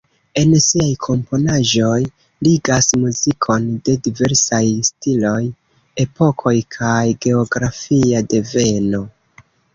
En siaj komponaĵoj ligas muzikon de diversaj stiloj, epokoj kaj geografia deveno.